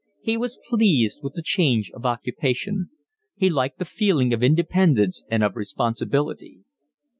He was pleased with the change of occupation. He liked the feeling of independence and of responsibility.